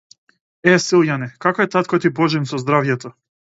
Е, Силјане, како е татко ти Божин со здравјето?